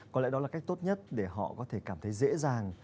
có lẽ đó là cách tốt nhất để họ có thể cảm thấy dễ dàng